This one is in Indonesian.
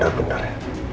ini orang benar benar ya